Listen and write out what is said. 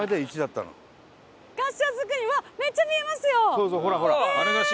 そうそうほらほら。